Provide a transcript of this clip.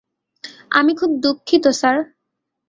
আমি খুব দুঃখিত, স্যার।